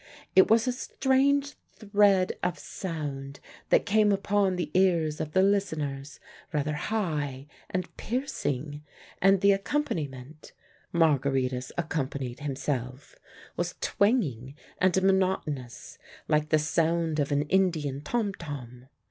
It was a strange thread of sound that came upon the ears of the listeners, rather high and piercing, and the accompaniment (Margaritis accompanied himself) was twanging and monotonous like the sound of an Indian tom tom.